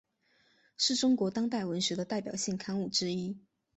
是中国当代文学的代表性刊物之一。